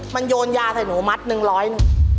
มันโยนยาให้หนูมัดเนี่ยหนู๑๐๐